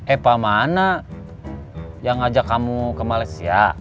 epa mana yang ngajak kamu ke malaysia